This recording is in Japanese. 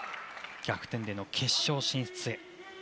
逆転の決勝進出へ。